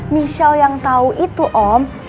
michel yang tahu itu om